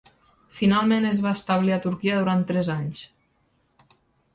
Finalment es va establir a Turquia durant tres anys.